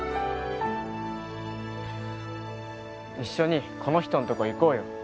一緒にこの人んとこ行こうよ